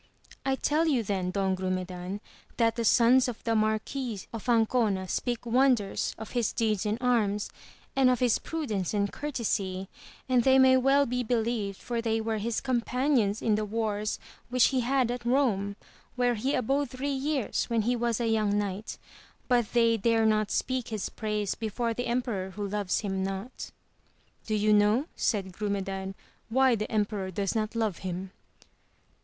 — ^I tell you then Don Grumedan that the sons of the Marquis of Ancona speak wonders of his deeds in arms, and of his prudence and courtesy, and they may well be believed for they were his companions in the wars which he had at Eome, where he abode three years, when he was a young knight, but they dare not speak his praise before the emperor who loves him not. Do you know, said Grumedan, why the emperor does not love him